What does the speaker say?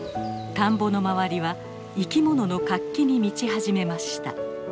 田んぼの周りは生きものの活気に満ち始めました。